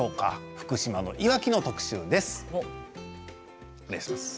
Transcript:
福島のいわきの特集です。